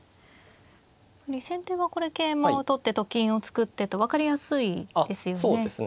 先手はこれ桂馬を取ってと金を作ってと分かりやすいですよね。